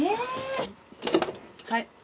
はい。